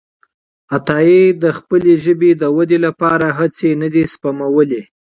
عطاييد خپلې ژبې د ودې لپاره هڅې نه دي سپمولي.